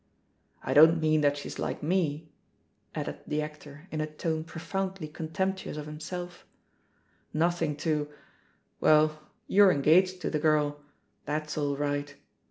"I don't mean that she's like me/^ added the actor in a tone profoundly contemptuous of him self ; "nothing to— Well, you're engaged to the girl! That's all right.